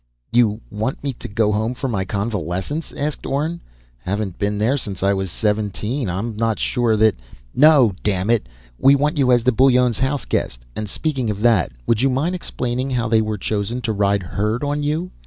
"You want me to go home for my convalescence?" asked Orne. "Haven't been there since I was seventeen. I'm not sure that " "No, dammit! We want you as the Bullones' house guest! And speaking of that, would you mind explaining how they were chosen to ride herd on you?"